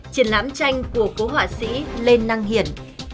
triển lãm tranh của cố họa sĩ lê năng hiển